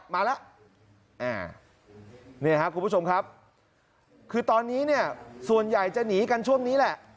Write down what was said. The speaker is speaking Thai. มาแล้วเนี่ยครับคุณผู้ชมครับคือตอนนี้เนี่ยส่วนใหญ่จะหนีกันช่วงนี้แหละ